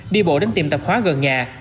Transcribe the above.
đi bộ đến tiệm tạp hóa gần nhà